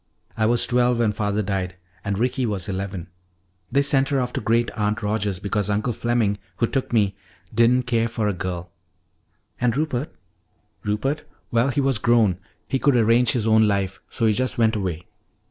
I was twelve when Father died, and Ricky was eleven. They sent her off to Great aunt Rogers because Uncle Fleming, who took me, didn't care for a girl " "And Rupert?" "Rupert well, he was grown, he could arrange his own life; so he just went away.